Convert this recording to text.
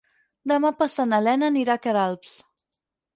Demà passat na Lena anirà a Queralbs.